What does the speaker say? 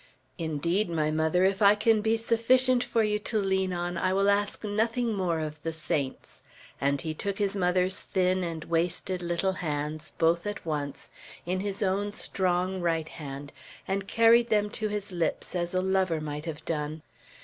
"Indeed, my mother, if I can be sufficient for you to lean on, I will ask nothing more of the saints;" and he took his mother's thin and wasted little hands, both at once, in his own strong right hand, and carried them to his lips as a lover might have done.